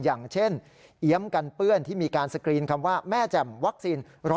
อย่างเช่นเอี๊ยมกันเปื้อนที่มีการสกรีนคำว่าแม่แจ่มวัคซีน๑๐